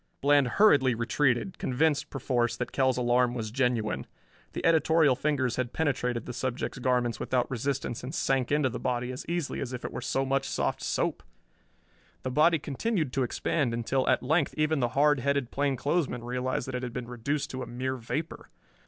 Bland hurriedly retreated, convinced perforce that Kell's alarm was genuine. The editorial fingers had penetrated the subject's garments without resistance and sank into the body as easily as if it were so much soft soap! The body continued to expand until at length even the hard headed plainclothesman realized that it had been reduced to a mere vapor.